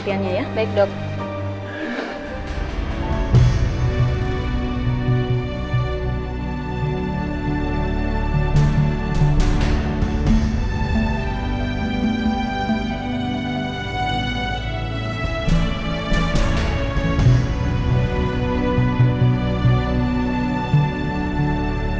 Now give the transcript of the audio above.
tidak ada yang bisa diberi pengetahuan